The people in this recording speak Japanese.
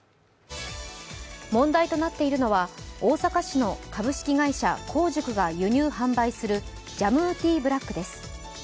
問題となっているのは大阪市の株式会社香塾が輸入・販売するジャムーティーブラックです。